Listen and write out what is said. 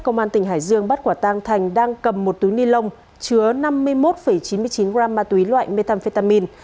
công an tỉnh hải dương bắt quả tang thành đang cầm một túi ni lông chứa năm mươi một chín mươi chín gram ma túy loại methamphetamin